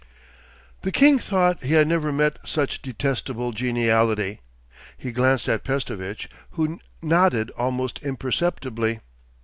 The king thought he had never met such detestable geniality. He glanced at Pestovitch, who nodded almost imperceptibly.